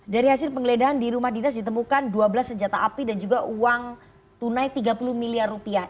dari hasil penggeledahan di rumah dinas ditemukan dua belas senjata api dan juga uang tunai tiga puluh miliar rupiah